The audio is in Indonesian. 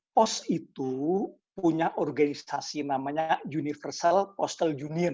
post itu punya organisasi namanya universal postal union